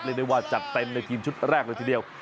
ได้ว่าจัดเต็มในทีมชุดแรกเลยทีเดียว